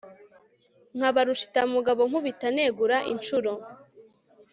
nkaba rushitamugabo nkubita negura inshuro